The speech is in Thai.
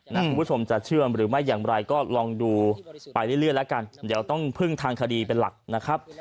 คุณผู้ชมจะเชื่อมหรือไม่อย่างไรก็ลองดูไปเรื่อยแล้วกันเดี๋ยวต้องพึ่งทางคดีเป็นหลักนะครับ